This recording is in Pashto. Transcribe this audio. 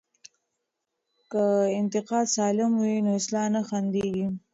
که انتقاد سالم وي نو اصلاح نه ځنډیږي.